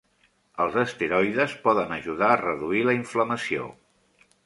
Els esteroides poden ajudar a reduir la inflamació.